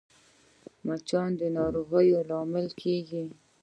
مچان د ناروغیو لامل کېږي